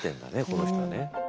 この人はね。ふう。